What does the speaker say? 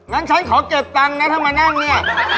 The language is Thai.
งั้นฉันขอเก็บตังค์นะถ้ามานั่งเนี่ย